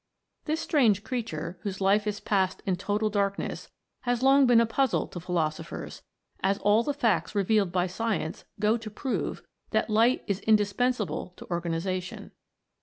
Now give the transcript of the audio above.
This strange creature, whose life is passed in total darkness, has long been a puzzle to philoso phers, as all the facts revealed by science go to prove that light is indispensable to organization.